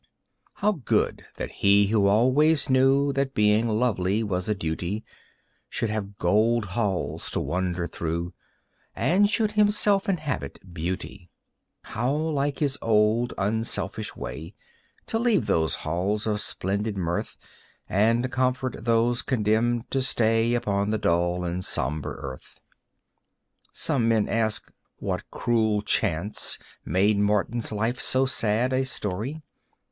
How good that he who always knew That being lovely was a duty, Should have gold halls to wander through And should himself inhabit beauty. How like his old unselfish way To leave those halls of splendid mirth And comfort those condemned to stay Upon the dull and sombre earth. Some people ask: "What cruel chance Made Martin's life so sad a story?"